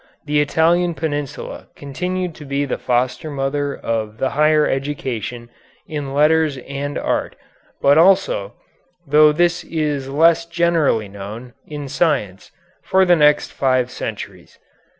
The Italian Peninsula continued to be the foster mother of the higher education in letters and art, but also, though this is less generally known, in science, for the next five centuries.